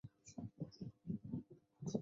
也是司铎级枢机前田万叶的领衔圣堂。